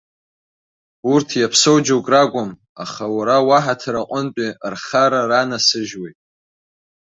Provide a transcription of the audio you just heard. Урҭ иаԥсоу џьоук ракәым, аха уара уаҳаҭыр аҟынтәи рхара ранасыжьуеит!